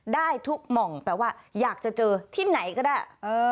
ได้ทุกหม่องแปลว่าอยากจะเจอที่ไหนก็ได้